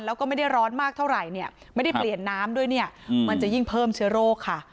แล้วก็ไม่ได้ร้อนมากเท่าไหร่เนี่ยไม่ได้เปลี่ยนน้ำด้วยเนี่ยมันจะยิ่งเพิ่มเชื้อโรคค่ะ